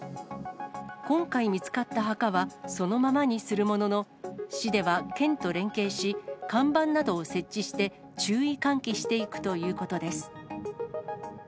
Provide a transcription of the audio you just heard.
今回見つかった墓はそのままにするものの、市では県と連携し、看板などを設置して、注意喚起していくということです。